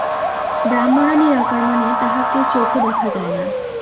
ব্রাহ্মরা নিরাকার মানে, তাহাকে চোখে দেখা যায় না।